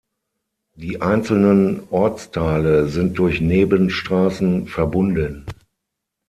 Die einzelnen Ortsteile sind durch Nebenstraßen verbunden.